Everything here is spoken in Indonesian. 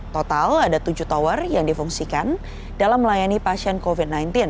total ada tujuh tower yang difungsikan dalam melayani pasien covid sembilan belas